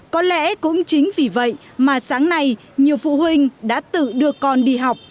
có lẽ cũng chính vì vậy mà sáng nay nhiều phụ huynh đã tự đưa con đi học